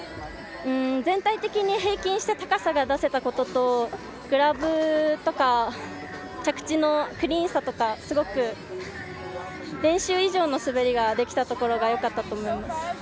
全体的に平均して高さが出せたこととグラブとか着地のクリーンさとかすごく、練習以上の滑りができたところがよかったと思います。